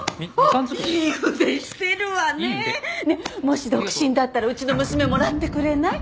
もし独身だったらうちの娘もらってくれない？